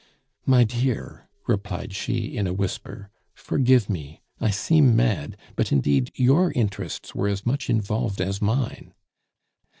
"My dear," replied she in a whisper, "forgive me. I seem mad, but indeed your interests were as much involved as mine."